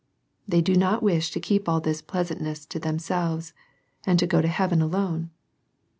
They do not wish to keep all this pleasantness to themselves, and to go to heaven alone.